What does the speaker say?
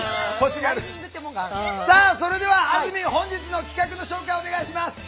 それではあずみん本日の企画説明をお願いします。